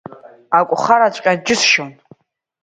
Ак ухараҵәҟьаз џьысшьон!